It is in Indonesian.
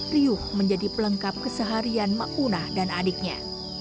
riuh menjadi pelengkap keseharian ma'unah dan adiknya